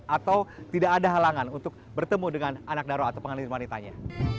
atau tidak ada halangan untuk bertemu dengan anak daro atau pengantin wanitanya